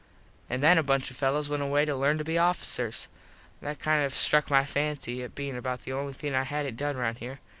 An then a bunch of fellos went away to lern to be officers. That kind of struck my fancy it bein about the only thing I hadnt done round here.